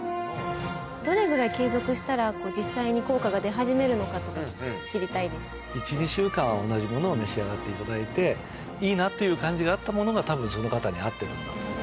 どれぐらい継続したら実際に効果が出始めるのかとか知りたいです。を召し上がっていただいていいなという感じがあったものが多分その方に合ってるんだと思います。